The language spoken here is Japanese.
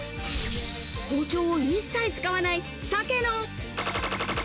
包丁を一切使わない鮭の。